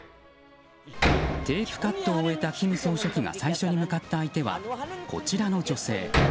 テープカットを終えた金総書記が最初に向かった相手はこちらの女性。